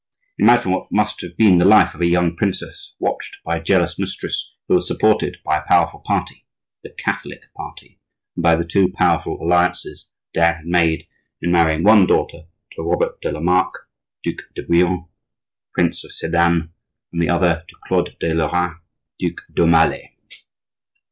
Imagine what must have been the life of a young princess, watched by a jealous mistress who was supported by a powerful party,—the Catholic party,—and by the two powerful alliances Diane had made in marrying one daughter to Robert de la Mark, Duc de Bouillon, Prince of Sedan, and the other to Claude de Lorraine, Duc d'Aumale.